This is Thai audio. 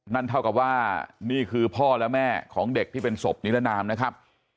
นั่นเท่ากับว่านี่คือพ่อและแม่ของเด็กที่เป็นศพนิรนามนะครับ